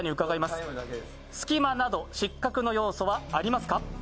すき間失格の要素はありますか？